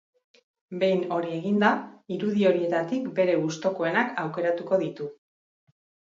Behin hori eginda, irudi horietatik bere gustokoenak aukeratuko ditu.